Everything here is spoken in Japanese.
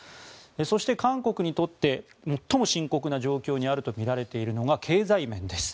そして、韓国にとって最も深刻な状況にあるとみられているのが経済面です。